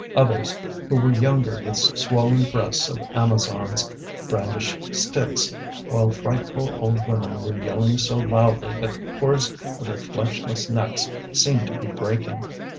Others, who were younger with the swollen breasts of amazons, brandished sticks; while frightful old women were yelling so loudly that the cords of their fleshless necks seemed to be breaking.